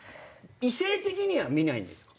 異性的には見ないんですか？